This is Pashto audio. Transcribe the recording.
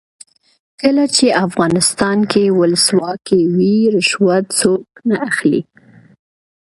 کله چې افغانستان کې ولسواکي وي رشوت څوک نه اخلي.